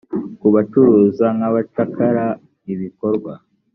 kubacuruza nk abacakara ibikorwa